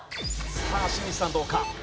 さあ新内さんどうか？